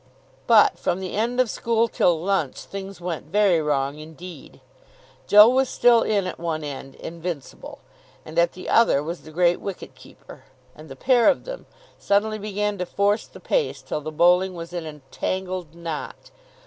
But from the end of school till lunch things went very wrong indeed. Joe was still in at one end, invincible; and at the other was the great wicket keeper. And the pair of them suddenly began to force the pace till the bowling was in a tangled knot.